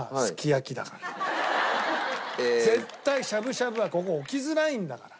絶対しゃぶしゃぶはここ置きづらいんだから。